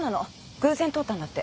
偶然通ったんだって。